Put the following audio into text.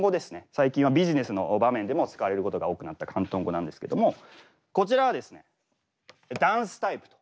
最近はビジネスの場面でも使われることが多くなった広東語なんですけどもこちらはですね「ダンスタイプ」と。